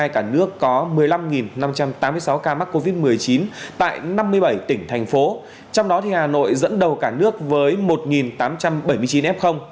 cả nước có một mươi năm năm trăm tám mươi sáu ca mắc covid một mươi chín tại năm mươi bảy tỉnh thành phố trong đó hà nội dẫn đầu cả nước với một tám trăm bảy mươi chín f